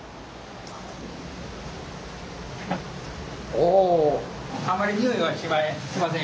おお。